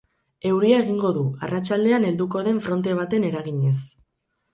Euria egingo du, arratsaldean helduko den fronte baten eraginez.